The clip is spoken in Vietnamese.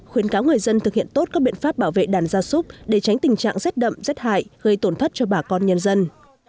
khuyến cáo người dân thực hiện tốt các biện pháp bảo vệ đàn gia súc để tránh tình trạng rét đậm rét hại gây tổn thất cho bà con nhân dân